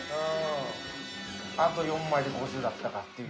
あと４枚で５０だったかっていう。